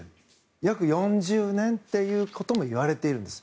約４０年ということも言われているんです。